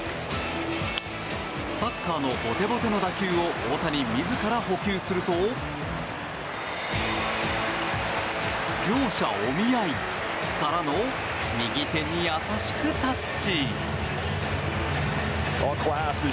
タッカーのボテボテの打球を大谷自ら捕球すると両者お見合いからの右手に優しくタッチ。